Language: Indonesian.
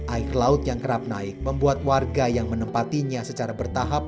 air laut yang kerap naik membuat warga yang menempatinya secara bertahap